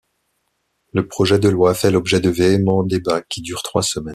Le projet de loi fait l'objet de véhéments débats qui durent trois semaines.